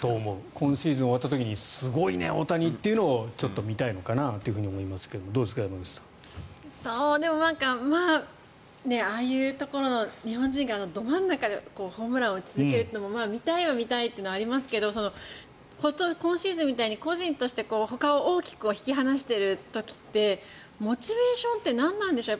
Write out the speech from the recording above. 今シーズン終わった時にすごいね、大谷というのを見たいなという気がしますがでも、ああいうところで日本人がど真ん中でホームランを打ち続けるのも見たいは見たいというのはありますが今シーズンみたいに個人としてほかを大きく引き離している時ってモチベーションって何なんでしょう。